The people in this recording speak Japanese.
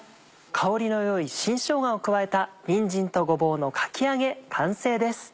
香りの良い新しょうがを加えたにんじんとごぼうのかき揚げ完成です。